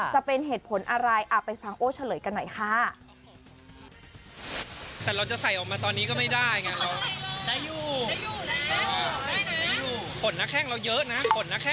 จะเป็นเหตุผลอะไรไปฟังโอ้เฉลยกันหน่อยค่ะ